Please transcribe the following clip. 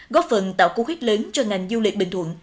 góp phần tạo cú khuyết lớn cho ngành du lịch bình thuận